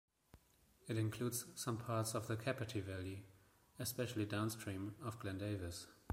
It includes some parts of the Capertee Valley, especially downstream of Glen Davis.